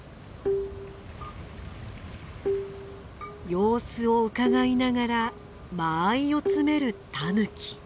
様子をうかがいながら間合いを詰めるタヌキ。